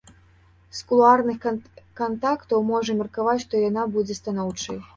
З кулуарных кантактаў можна меркаваць, што яна будзе станоўчай.